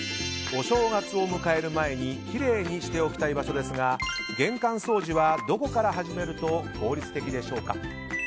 お正月を迎える前にきれいにしておきたい場所ですが玄関掃除は、どこから始めると効率的でしょうか？